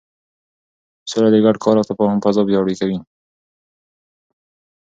سوله د ګډ کار او تفاهم فضا پیاوړې کوي.